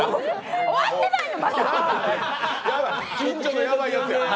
終わってないの！